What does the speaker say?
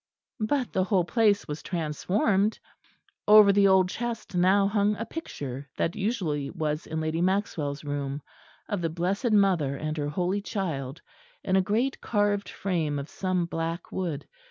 But the whole place was transformed. Over the old chest now hung a picture, that usually was in Lady Maxwell's room, of the Blessed Mother and her holy Child, in a great carved frame of some black wood.